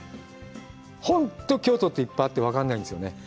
本当、京都っていっぱいあって、分からないんですよね。